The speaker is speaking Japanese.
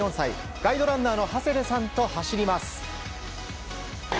ガイドランナーの長谷部さんと走ります。